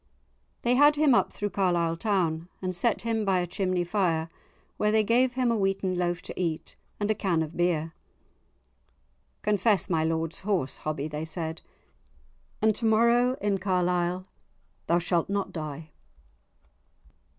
They had him up through Carlisle town, and set him by a chimney fire, where they gave him a wheaten loaf to eat, and a can of beer. "Confess my lord's horse, Hobbie," they said, "and to morrow in Carlisle thou shalt not die."